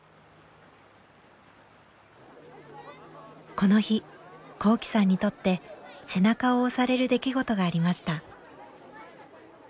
この日昂志さんにとって背中を押される出来事がありました。